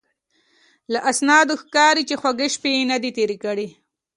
له اسنادو ښکاري چې خوږې شپې یې نه دي تېرې کړې.